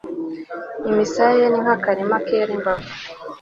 imisaya ye ni nk'akarima kera imibavu